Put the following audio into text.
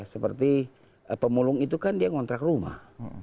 seperti pemulung itu kan dia ngontrak rumah